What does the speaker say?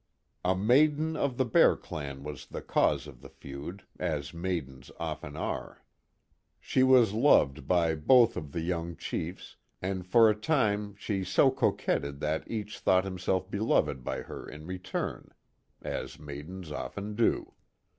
A maiden of the Bear Clan was the cause of the feud, as maidens often are. She 36« The Mohawk Valley was loved by both of the young chiefs, and for a lime she » coijuetted that each thought himself beloved by her in return, l.\i maidens often do.)